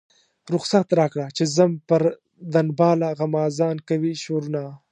رخصت راکړه چې ځم پر دنباله غمازان کوي شورونه.